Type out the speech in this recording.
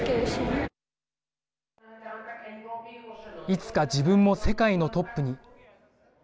いつか自分も世界のトップに。